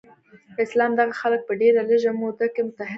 اسلام دغه خلک په ډیره لږه موده کې متحد کړل.